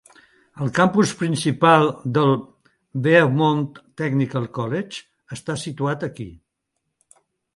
El campus principal del Vermont Technical College està situat aquí.